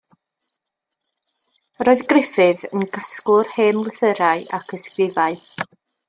Roedd Griffith yn gasglwr hen lythyrau ac ysgrifau.